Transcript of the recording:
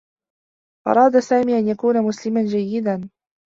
أراد سامي أن يكون مسلما جيّدا.